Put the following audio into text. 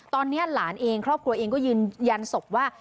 ตอนนี้หลานเองครอบครัวเองก็ยืนยันศพว่า